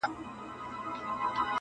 چي خبره د رښتیا سي هم ترخه سي,